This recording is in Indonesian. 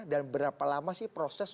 dan berapa lama sih proses